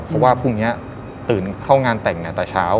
เพราะว่าพรุ่งนี้ตื่นเข้างานแต่งแต่เช้า